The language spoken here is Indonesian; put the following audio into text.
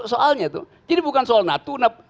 soalnya tuh jadi bukan soal natuna